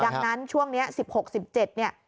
ดังนั้นช่วงนี้๑๖๑๗เนี่ย